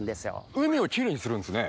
海をキレイにするんですね。